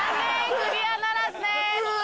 クリアならずです。